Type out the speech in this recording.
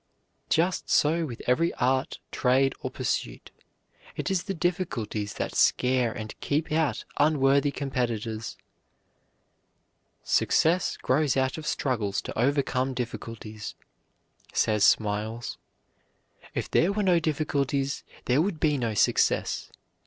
Just so with every art, trade, or pursuit; it is the difficulties that scare and keep out unworthy competitors. "Success grows out of struggles to overcome difficulties," says Smiles. "If there were no difficulties there would be no success.